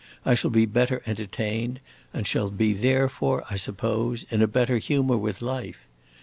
I shall be better entertained, and shall be therefore, I suppose, in a better humor with life.